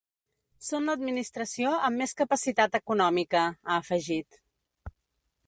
“Són l’administració amb més capacitat econòmica”, ha afegit.